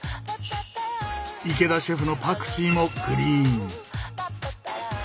池田シェフのパクチーもグリーン。